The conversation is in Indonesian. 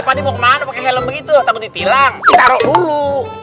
padi mau kemana pakai helm begitu takut ditilang ditaruh dulu